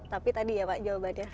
tapi tadi ya pak jawabannya